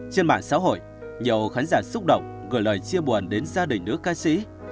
trên mạng xã hội nhiều khán giả xúc động gửi lời chia buồn đến gia đình nữ ca sĩ